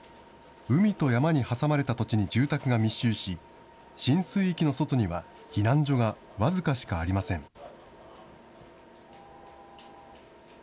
海と山に挟まれた土地に住宅が密集し、浸水域の外には避難所が僅かしかありません。